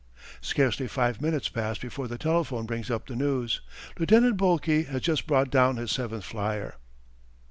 Scarcely five minutes pass before the telephone brings up this news: Lieutenant Boelke has just brought down his seventh flyer.